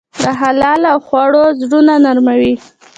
د حلال خوړو زړونه نرموي.